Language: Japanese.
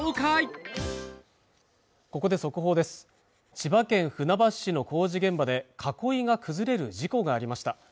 千葉県船橋市の工事現場で囲いが崩れる事故がありました